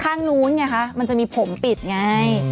ข้างนู้นไงคะมันจะมีผมปิดไง